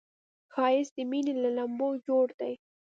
ښایست د مینې له لمبو جوړ دی